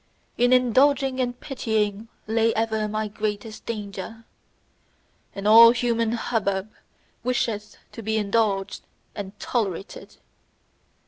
In indulging and pitying lay ever my greatest danger; and all human hubbub wisheth to be indulged and tolerated.